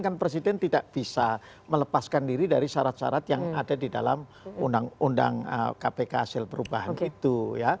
kan presiden tidak bisa melepaskan diri dari syarat syarat yang ada di dalam undang undang kpk hasil perubahan itu